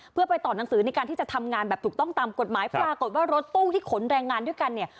เพื่อไปต่อหนังสือในการที่จะทำงานแบบถูกต้องตามกฎหมายปรากฏว่ารถตู้ที่ขนแรงงานด้วยกันเนี่ย